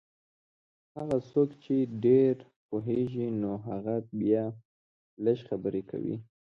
هغه څوک چې ډېر پوهېږي نو هغه بیا لږې خبرې کوي.